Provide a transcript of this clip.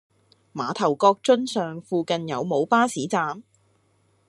馬頭角瑧尚附近有無巴士站？